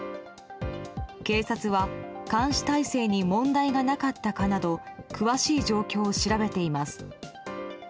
警察は、監視体制に問題がなかったかなど詳しい状況を調べています。